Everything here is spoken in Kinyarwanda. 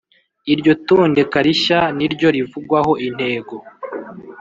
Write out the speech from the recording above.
Iryo tondeka rishya niryo rivugwaho intego